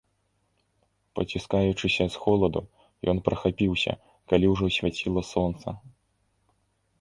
Паціскаючыся з холаду, ён прахапіўся, калі ўжо свяціла сонца.